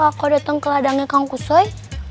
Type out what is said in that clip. kalau aku dateng ke ladangnya kang kusoy